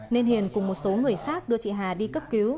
nên hiền cùng một số người khác đưa chị hà đi cấp cứu